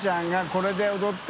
これで踊って。